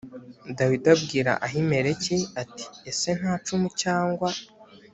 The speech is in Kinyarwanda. dawidi abwira ahimeleki ati ese nta cumu cyangwa